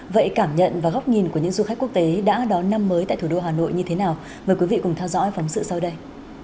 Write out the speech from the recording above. vậy cảm nhận và góc nhìn của những du khách quốc tế đã đón năm mới tại thủ đô hà nội như thế nào mời quý vị cùng theo dõi phóng sự sau đây